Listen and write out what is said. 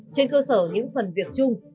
trên cơ sở những phần việc chung